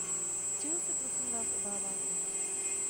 Čeho se, prosím vás, obáváte?